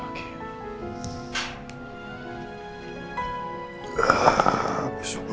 yang sedang sakit